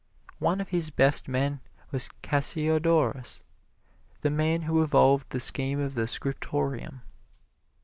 One of his best men was Cassiodorus, the man who evolved the scheme of the scriptorium.